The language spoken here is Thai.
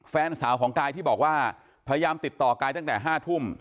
แฟนสาวของกายที่บอกว่าพยายามติดต่อกายตั้งแต่๕ทุ่ม